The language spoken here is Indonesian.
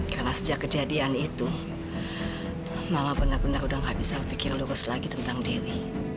karena sejak kejadian itu mama benar benar udah nggak bisa berpikir lurus lagi tentang dewi